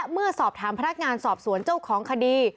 เป็นภาคงานสอบสวนเจ้าของคดี